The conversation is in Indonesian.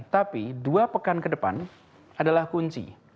tapi dua pekan ke depan adalah kunci